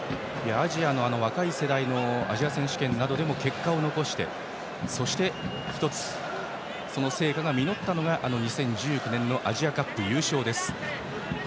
若い世代のアジア選手権などでも結果を残してそして１つその成果が実ったのがあの２０１９年のアジアカップ優勝です。